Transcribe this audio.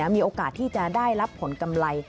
มีโอกาสที่จะได้รับผลกำไร